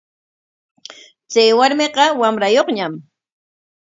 Chay warmiqa wamrayuqñam.